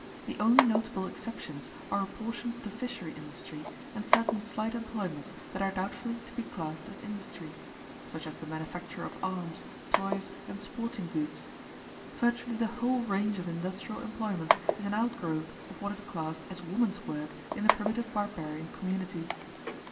The only notable exceptions are a portion of the fishery industry and certain slight employments that are doubtfully to be classed as industry; such as the manufacture of arms, toys, and sporting goods. Virtually the whole range of industrial employments is an outgrowth of what is classed as woman's work in the primitive barbarian community.